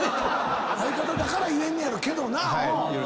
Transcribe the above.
相方だから言えんのやろうけどな。